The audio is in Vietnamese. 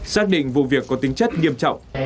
xác định vụ việc có tính chất nghiêm trọng